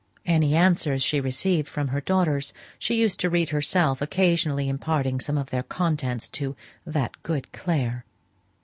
Any answers she received from her daughters she used to read herself, occasionally imparting some of their contents to "that good Clare."